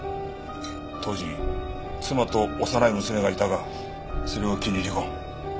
当時妻と幼い娘がいたがそれを機に離婚。